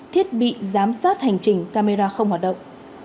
thiết bị giám sát hành trình camera không hoạt động